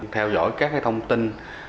theo dõi các thông tin